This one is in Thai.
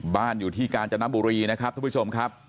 บ้านอยู่ที่กาญจนบุรีนะครับทุกผู้ชมครับ